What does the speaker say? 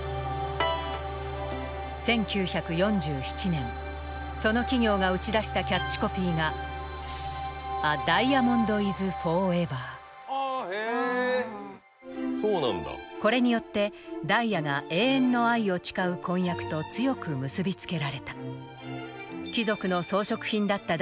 １９４７年その企業が打ち出したキャッチコピーがこれによってダイヤが永遠の愛を誓う婚約と強く結び付けられた。